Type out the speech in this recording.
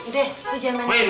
deh lo jangan main main